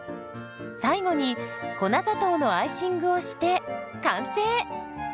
最後に粉砂糖のアイシングをして完成。